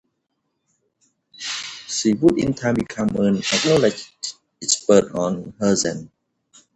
She would in time become an acknowledged expert on Herzen.